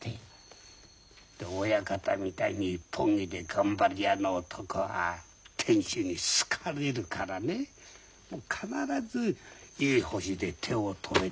で親方みたいに一本気で頑張り屋の男は天使に好かれるからね必ずいい星で手を止めてくれるんだよ。